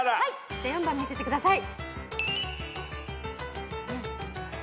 じゃあ４番見せてください。